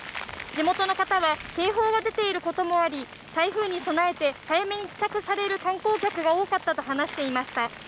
地元の方は、警報が出ていることもあり、台風に備えて早めに帰宅される観光客が多かったと話していました。